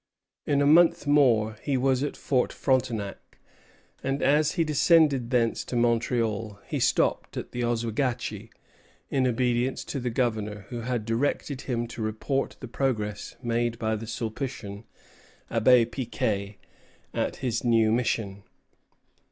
In a month more he was at Fort Frontenac; and as he descended thence to Montreal, he stopped at the Oswegatchie, in obedience to the Governor, who had directed him to report the progress made by the Sulpitian, Abbé Piquet, at his new mission.